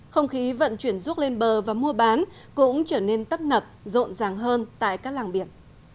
không khí vận chuyển ruốc lên bờ và mua bán cũng trở nên tấp nập rộn ràng hơn tại các làng biển